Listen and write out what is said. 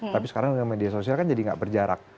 tapi sekarang dengan media sosial kan jadi gak berjarak